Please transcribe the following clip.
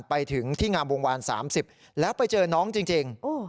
ไปถึงที่งามวงวาน๓๐แล้วไปเจอน้องจริง